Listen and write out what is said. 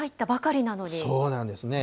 そうなんですね。